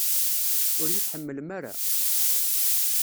Ur iyi-tḥemmlem ara?